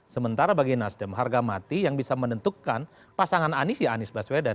sementara bagi nasdem harga mati yang bisa menentukan pasangan anies ya anies baswedan